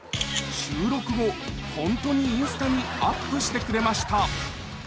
収録後ホントにインスタにアップしてくれました